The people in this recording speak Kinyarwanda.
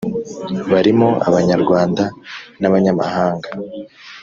barimo abanyarwanda n’abanyamahanga